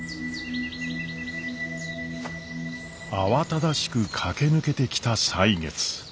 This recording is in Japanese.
慌ただしく駆け抜けてきた歳月。